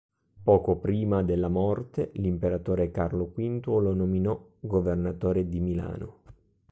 Poco prima della morte, l'imperatore Carlo V lo nominò governatore di Milano.